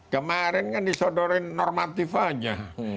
kemarin kan disodorin normativanya